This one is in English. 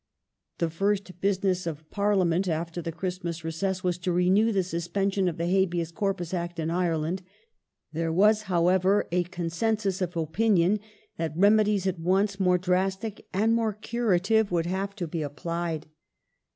The first business of Parliament after the Christmas recess was to renew the suspension of the Habeas Corpus Act in Ireland. There was, however, a consensus of opinion that remedies at once more drastic and more curative would have to be applied.